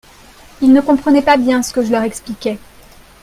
ils ne comprenaient pas bien ce que je leur expliquais.